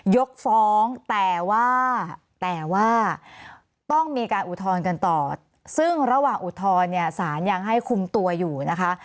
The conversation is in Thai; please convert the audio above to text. ยกฟ้องแต่ว่าแต่ว่าต้องมีการอุทธรณ์กันต่อซึ่งระหว่างอุทธรณ์เนี่ยสารยังให้คุมตัวอยู่นะคะ